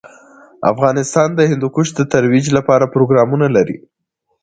افغانستان د هندوکش د ترویج لپاره پروګرامونه لري.